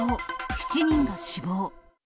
７人が死亡。